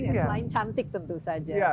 ya selain cantik tentu saja